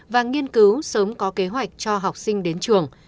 và nghiên cứu sớm có kế hoạch cho học sinh đến trường